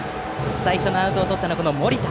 最初のアウトをとったのは森田。